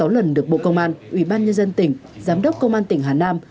sáu lần được bộ công an ủy ban nhân dân tỉnh giám đốc công an tỉnh hà nam